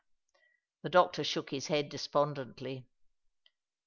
The doctor shook his head despondently.